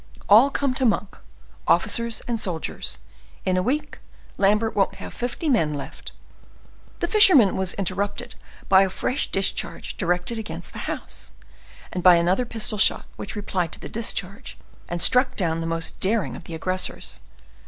All come to Monk, officers and soldiers. In a week Lambert won't have fifty men left." The fisherman was interrupted by a fresh discharge directed against the house, and by another pistol shot which replied to the discharge and struck down the most daring of the aggressors.